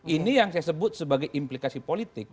ini yang saya sebut sebagai implikasi politik